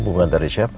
hubungan dari siapa